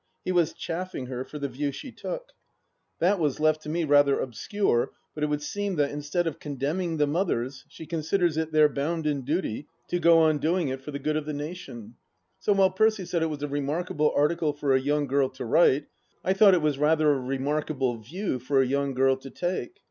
He was chaffing her for the view she took. That was 271 272 THE LAST DITCH left, to me, rather obscure, but it would seem that, instead of condemning the mothers, she considers it their bounden duty to go on doing it for the good of the nation. So, while Percy said it was a remarkable article for a young girl to write, I thought it was rather a remarkable view for a young girl to take.